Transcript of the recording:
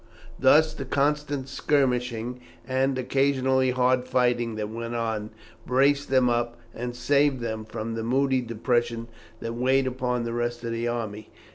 Thus the constant skirmishing, and, occasionally, hard fighting that went on, braced them up, and saved them from the moody depression that weighed upon the rest of the army.